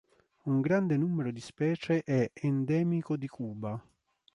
Un grande numero di specie è endemico di Cuba.